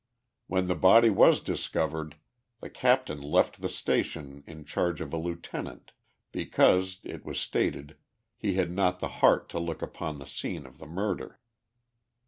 When the body was discovered the Captain left the station in charge of a lieutenant, because, it was stated, he had not the heart to look upon the scene of the murder.